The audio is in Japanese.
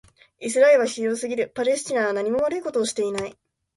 イスラエルはひどすぎる。パレスチナはなにも悪いことをしていない。